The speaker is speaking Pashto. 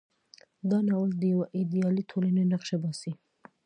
دا ناول د یوې ایډیالې ټولنې نقشه باسي.